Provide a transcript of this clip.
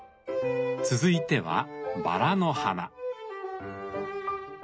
続いてはバラの花。